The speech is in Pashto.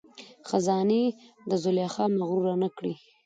خزانې دي زلیخا مغروره نه کړي